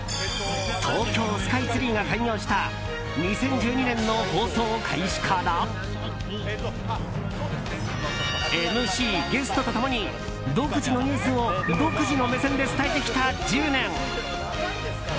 東京スカイツリーが開業した２０１２年の放送開始からＭＣ、ゲストと共に独自のニュースを独自の目線で伝えてきた１０年。